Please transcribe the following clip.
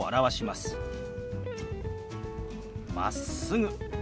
「まっすぐ」。